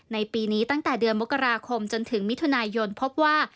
ในปีนี้ตั้งแต่เดือนมกราคมจนถึงมิถุนายนพบว่า